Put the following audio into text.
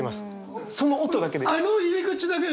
その音だけで。